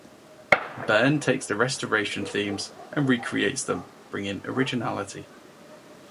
Behn takes the Restoration themes and recreates them, bringing originality.